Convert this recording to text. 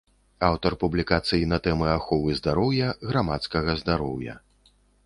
Аўтар публікацый на тэмы аховы здароўя, грамадскага здароўя.